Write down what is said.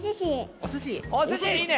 おすしいいね！